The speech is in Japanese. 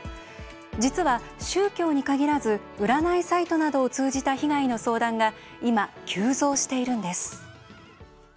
実は宗教に限らず占いサイトなどを通じた被害の相談が今、急増しているんです。